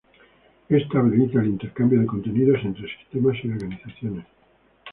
Esto habilita el intercambio de contenido entre sistemas y organizaciones.